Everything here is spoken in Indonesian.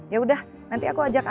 yaudah nanti aku ajak angga